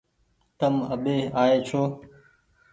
تم آٻي آئي ڇو